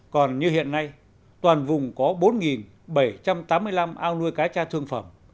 còn như hiện nay toàn vùng có bốn bảy trăm tám mươi năm ao nuôi cá cha thương phẩm